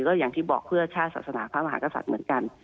ก็อย่างที่บอกเพื่อชาติศาสนาพระมหากษัตริย์เหมือนกัน